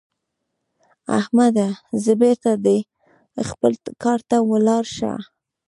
احمده؛ ځه بېرته دې خپل کار ته ولاړ شه.